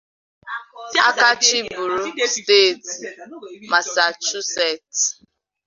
aka chiburu Steeti Massachussets